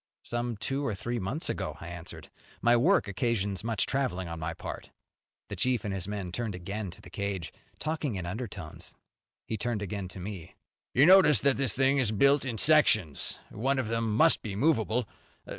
"Some two or three months ago", I answered. "My work occasions much traveling on my part." The chief and his men turned again to the cage, talking in undertones. He turned again to me. "You notice that this thing is built in sections. One of them must be movable.